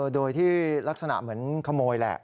โดยที่ลักษณะเหมือนขโมยแหละ